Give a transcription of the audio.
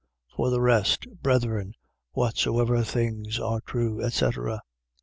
For the rest, brethren, whatsoever things are true, etc. ..